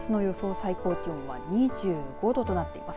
最高気温は２５度となっています。